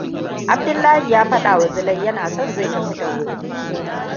Abdullahi ya faɗawa Zulai yana son zai tafi da wuri.